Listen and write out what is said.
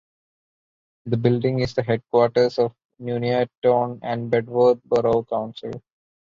The building is the headquarters of Nuneaton and Bedworth Borough Council.